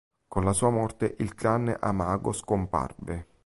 Con la sua morte il clan Amago scomparve.